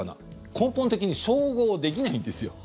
根本的に照合できないんですよ。